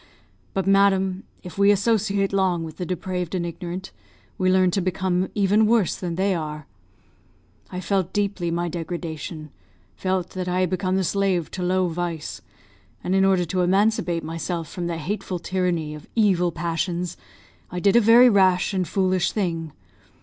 But, madam, if we associate long with the depraved and ignorant, we learn to become even worse than they are. I felt deeply my degradation felt that I had become the slave to low vice; and in order to emancipate myself from the hateful tyranny of evil passions, I did a very rash and foolish thing.